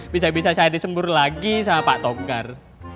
bisa bisa saya disembur lagi sama pak togar